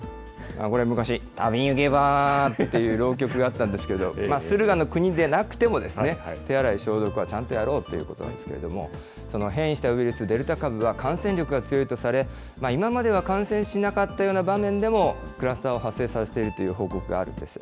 これ、昔、旅ゆけばーって浪曲があったんですけど、駿河の国でなくても、手洗い、消毒は、ちゃんとやろうということなんですけれども、その変異したウイルス、デルタ株が感染力が強いとされ、今までは感染しなかったような場面でも、クラスターを発生させているという報告があるんです。